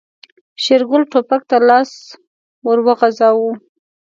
شېرګل ټوپک ته لاس ور وغځاوه.